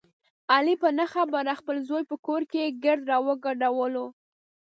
علي په نه خبره خپل زوی په کور کې ګرد را وګډولو.